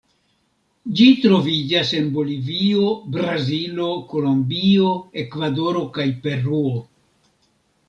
Ĝi troviĝas en Bolivio, Brazilo, Kolombio, Ekvadoro kaj Peruo.